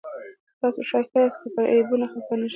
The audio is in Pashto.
تاسو ښایسته یاست که پر عیبونو خفه نه شئ.